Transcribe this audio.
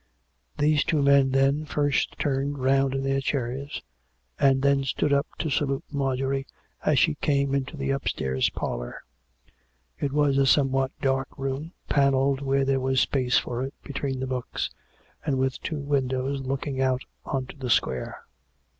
These two men, then, first turned round in their chairs, and then stood up to salute Marjorie, as she came into the upsrtairs parlour. It was a somewhat dark room, panelled where there was space for it between the books, and with two windows looking out on to the square.